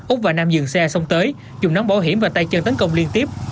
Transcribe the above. úc và nam dừng xe xong tới dùng nón bảo hiểm và tay chân tấn công liên tiếp